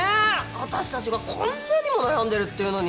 私たちがこんなにも悩んでるっていうのに。